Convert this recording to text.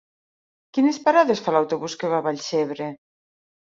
Quines parades fa l'autobús que va a Vallcebre?